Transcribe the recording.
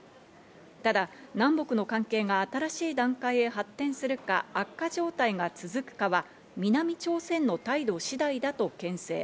ただ、南北の関係が新しい段階へ発展するか、悪化状態が続くかは南朝鮮の態度次第だと、けん制。